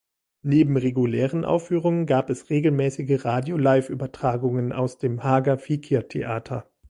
Neben regulären Aufführungen gab es regelmäßige Radio-Liveübertragungen aus dem Hager-Fikir-Theater.